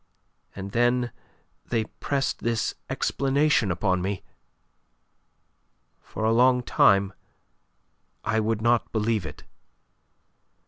And then they pressed this explanation upon me. For a long time I would not believe it."